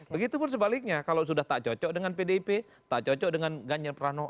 begitupun sebaliknya kalau sudah tak cocok dengan pdip tak cocok dengan ganjar pranowo